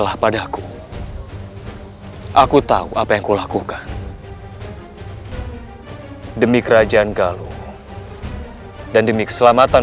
bahkan hatiku pun sudah mati